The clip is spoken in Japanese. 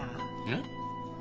えっ？